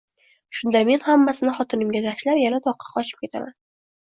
Shunda men hammasini xotinimga tashlab, yana toqqa qochib ketaman